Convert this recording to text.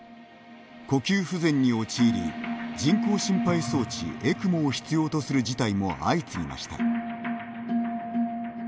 呼吸不全に陥り人工心肺装置エクモを必要とする事態も相次ぎました。